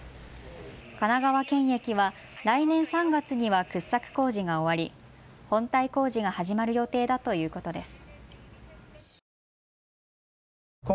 神奈川県駅は来年３月には掘削工事が終わり本体工事が始まる予定だということです。